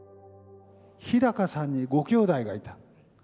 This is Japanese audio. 日高さんにご兄弟がいた。